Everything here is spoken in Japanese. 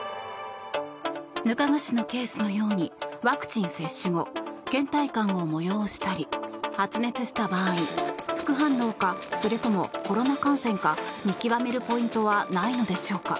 額賀氏のケースのようにワクチン接種後倦怠感を催したり発熱した場合副反応かそれともコロナ感染か見極めるポイントはないのでしょうか。